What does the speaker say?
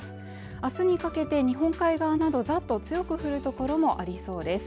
明日にかけて日本海側などざっと強く降るところもありそうです